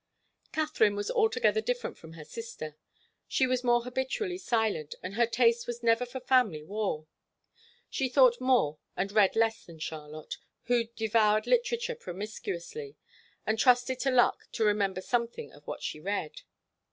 Katharine was altogether different from her sister. She was more habitually silent, and her taste was never for family war. She thought more and read less than Charlotte, who devoured literature promiscuously and trusted to luck to remember something of what she read.